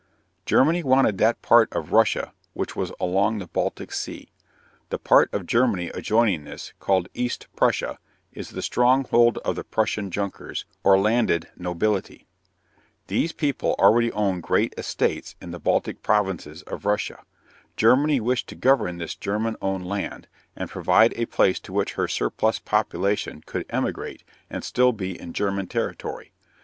Germany wanted that part of Russia which was along the Baltic Sea. The part of Germany adjoining this, called East Prussia, is the stronghold of the Prussian Junkers, or landed nobility. These people already own great estates in the Baltic provinces of Russia. Germany wished to govern this German owned land and provide a place to which her surplus population could emigrate and still be in German territory.